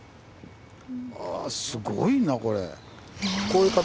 あぁすごいなこれ。